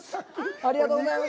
ありがとうございます。